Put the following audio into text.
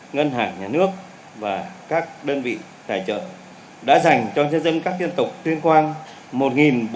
ngân hàng nhà nước và các đơn vị tài trợ đã dành cho nhân dân các dân tộc tuyên quang